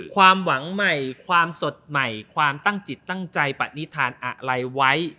ความหวังใหม่ความสดใหม่ความตั้งจิตตั้งใจปณิธานอะไรไว้